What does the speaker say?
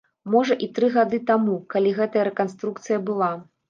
Можа, і тры гады таму, калі гэтая рэканструкцыя была.